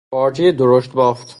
پارچهی درشت بافت